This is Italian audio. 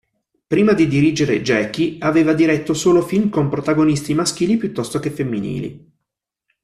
Prima di dirigere "Jackie", aveva diretto solo film con protagonisti maschili piuttosto che femminili.